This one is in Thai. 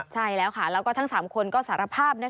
ใช่แล้วค่ะแล้วก็ทั้ง๓คนก็สารภาพ